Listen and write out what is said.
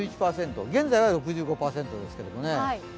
現在は６５％ですけどね。